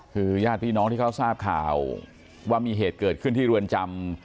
คือญาติพี่น้องที่เขาทราบข่าวว่ามีเหตุเกิดขึ้นที่เรือนจำ